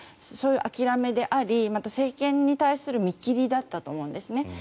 そういう諦めであり政権に対する見切りだったと思うんですね。